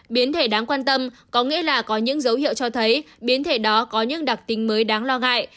biến thể đáng quan tâm có nghĩa là có những dấu hiệu cho thấy biến thể đó có những đặc tính mới đáng lo ngại